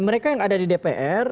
mereka yang ada di dpr